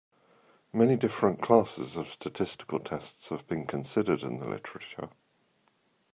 Many different classes of statistical tests have been considered in the literature.